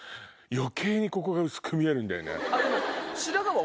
余計にここが薄く見えるんだよね。